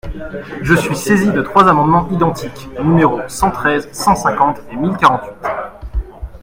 Je suis saisi de trois amendements identiques, numéros cent treize, cent cinquante et mille quarante-huit.